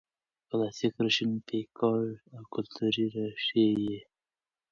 کلاسیک روشنفکر او کلتوري ريښې یې